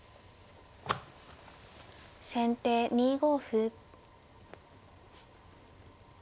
先手２五歩。